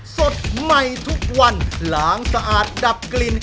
สดใหม่ทุกวันล้างสะอาดดับกลิ่น